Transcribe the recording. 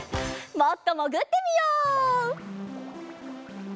もっともぐってみよう。